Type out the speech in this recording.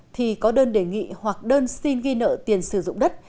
thì có đơn đề nghị hoặc đơn xin ghi nợ tiền sử dụng đất